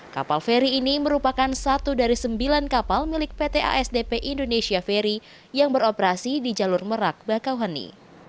kapal feri ini merupakan satu dari sembilan kapal milik pt asdp indonesia ferry yang beroperasi di jalur merak bakauheni